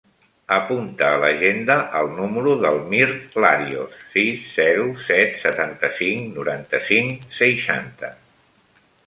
Apunta a l'agenda el número del Mirt Larios: sis, zero, set, setanta-cinc, noranta-cinc, seixanta.